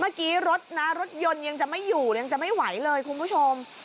เมื่อกี้รถนะรถยนต์ยังจะไม่อยู่ยังจะไม่ไหวเลยคุณผู้ชม